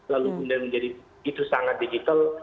lalu kemudian menjadi begitu sangat digital